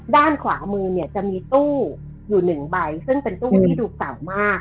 ด้านขวามือจะมีตู้อยู่๑ใบซึ่งเป็นตู้ที่ดูสาวมาก